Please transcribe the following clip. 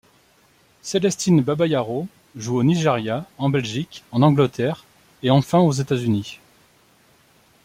Celestine Babayaro joue au Nigeria, en Belgique, en Angleterre et enfin aux États-Unis.